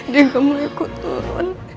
dia gak mau ikut turun